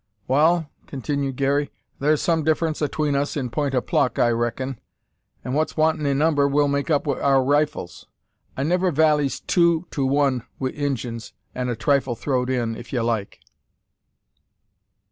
"Wal," continued Garey, "thar's some difference atween us in point o' pluck, I reckin; and what's wantin' in number we'll make up wi' our rifles. I never valleys two to one wi' Injuns, an' a trifle throw'd in, if ye like."